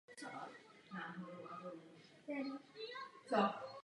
Koncertu se zúčastnilo na sto tisíc lidí.